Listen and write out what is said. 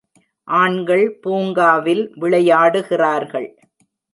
ஆண்கள் பூங்காவில் விளையாடுகிறார்கள்.